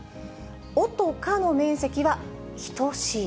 おとかの面積は等しい。